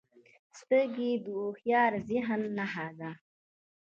سترګې د هوښیار ذهن نښه ده